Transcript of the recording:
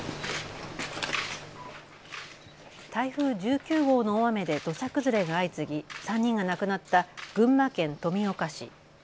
台風１９号の大雨で土砂崩れが相次ぎ３人が亡くなった群馬県富岡市。